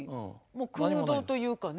もう空洞というかね。